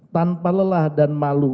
tanpa lelah dan malu